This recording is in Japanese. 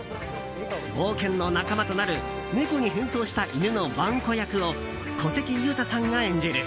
冒険の仲間となるネコに変装したイヌのワンコ役を小関裕太さんが演じる。